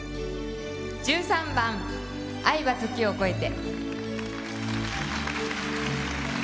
１３番「愛は時を越えて」。